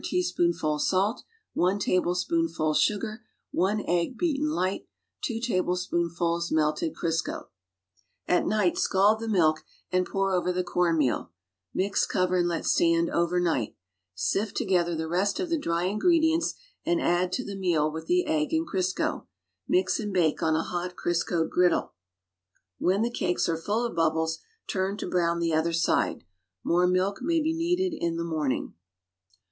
heaten light 2^ teaspoonfuls baking powder 2 talilcspoonfuls melted Crisco At night scald the milk and pour over the corn meal; mix, cover and let stand overnight; sift together the rest of the dry ingredients and add to the meal with the egg and Crisco; mix and bake on a hot Cfiscoed griddle. When the cakes are fidl of bubbles, turn to brown the other side. More milk may be neeiled in the morning.